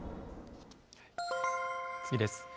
次です。